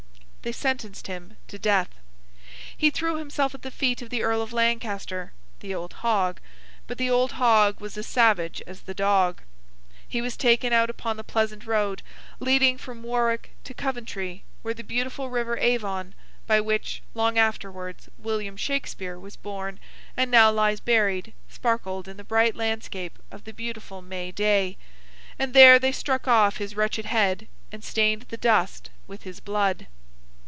They sentenced him to death. He threw himself at the feet of the Earl of Lancaster—the old hog—but the old hog was as savage as the dog. He was taken out upon the pleasant road, leading from Warwick to Coventry, where the beautiful river Avon, by which, long afterwards, William Shakespeare was born and now lies buried, sparkled in the bright landscape of the beautiful May day; and there they struck off his wretched head, and stained the dust with his blood.